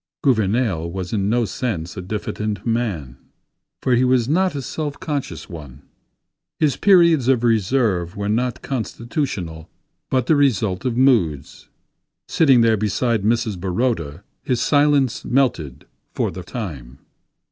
Gouvernail was in no sense a diffident man, for he was not a self conscious one. His periods of reserve were not constitutional, but the result of moods. Sitting there beside Mrs. Baroda, his silence melted for the time.